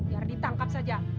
biar ditangkap saja